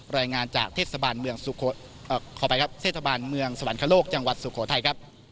รายงานจากเทศบาลเมืองสวรรคโลกจังหวัดสุโขทัยครับ